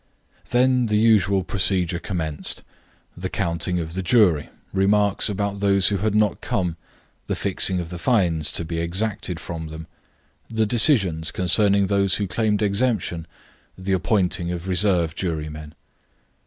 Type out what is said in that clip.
Then the usual procedure commenced; the counting of the jury, remarks about those who had not come, the fixing of the fines to be exacted from them, the decisions concerning those who claimed exemption, the appointing of reserve jurymen.